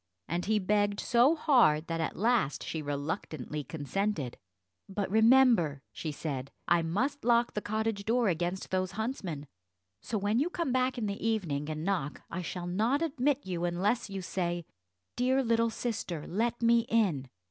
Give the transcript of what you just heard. And he begged so hard that at last she reluctantly consented. "But remember," she said, "I must lock the cottage door against those huntsmen, so when you come back in the evening, and knock, I shall not admit you, unless you say, 'Dear little sister let me in.'"